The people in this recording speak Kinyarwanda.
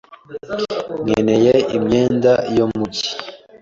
Nkeneye imyenda yo mu cyi.